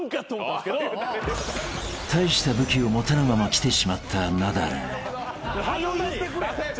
［大した武器を持たぬまま来てしまったナダル］